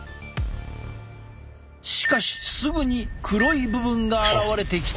しかしすぐに黒い部分が現れてきた。